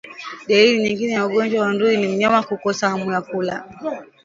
Dalili nyingine ya ugonjwa wa ndui ni mnyama kukosa hamu ya kula